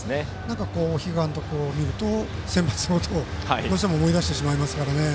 比嘉監督を見るとセンバツのことをどうしても思い出してしまいますからね。